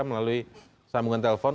melalui sambungan telepon